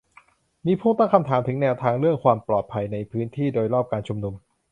มีผู้ตั้งคำถามถึงแนวทางเรื่องความปลอดภัยในพื้นที่โดยรอบการชุมนุม